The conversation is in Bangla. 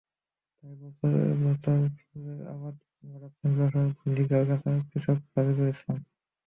তাই বছর বছর ফুলের আবাদ বাড়াচ্ছেন যশোরের ঝিকরগাছার কৃষক রফিকুল ইসলাম।